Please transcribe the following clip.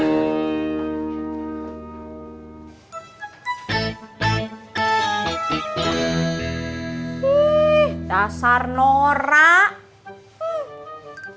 buku tabungan aja pakai di posting di grup wa